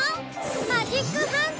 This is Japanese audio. マジックハンド！